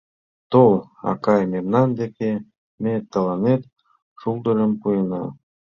Тол, акай, мемнан деке, ме тыланет шулдырым пуэна.